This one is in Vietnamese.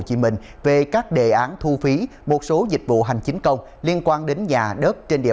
chị mình về các đề án thu phí một số dịch vụ hành chính công liên quan đến nhà đất trên địa